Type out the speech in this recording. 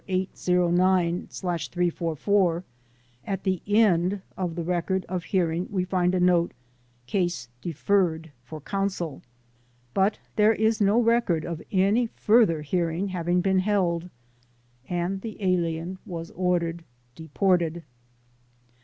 54809/344) at the end of the record of hearing we find a note "case deferred for counsel," but there is no record of any further hearing having been held and the alien was ordered deported.